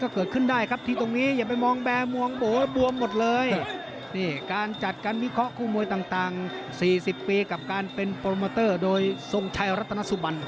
๔๐ปีกับการเป็นโปรโมเตอร์โดยทรงชายรัฐนสุบัน